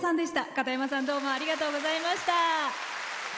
片山さん、どうもありがとうございました。